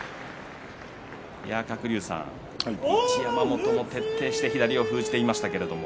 鶴竜さん、一山本も徹底して左を封じていましたけれど。